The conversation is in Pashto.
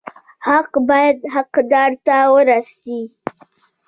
حق باید حقدار ته ورسي